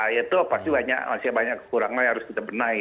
itu pasti banyak masih banyak kekurangannya harus kita benahi